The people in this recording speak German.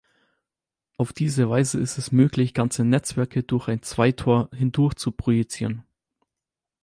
Auf diese Weise ist es möglich, ganze Netzwerke durch ein Zweitor hindurch zu projizieren.